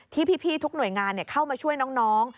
ที่พี่ทุกหน่วยงานเข้ามาช่วยน้อง